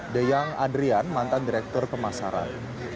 deyang adrian mantan direktur pemasaran